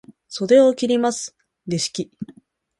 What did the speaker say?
袖を切ります、レシキ。